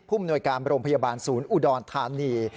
มนวยการโรงพยาบาลศูนย์อุดรธานี